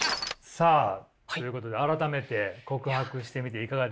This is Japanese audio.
さあということで改めて告白してみていかがでした？